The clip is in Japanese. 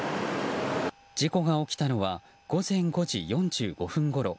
事故が起きたのは午前５時４５分ごろ。